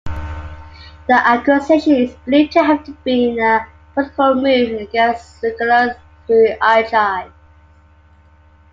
The accusation is believed to have been a political move against Lucullus through Archias.